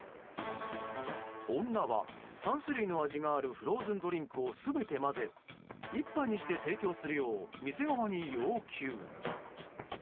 女は、３種類の味があるフローズンドリンクを全て混ぜ、１杯にして提供するよう店側に要求。